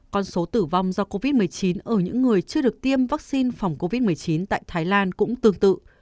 con số tử vong do covid một mươi chín ở những người chưa được tiêm vaccine phòng covid một mươi chín tại thái lan cũng tương tự